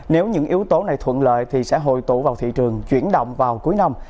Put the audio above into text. nếu những yếu tố này thuận lợi thì sẽ hội tụ vào thị trường chuyển động vào cuối năm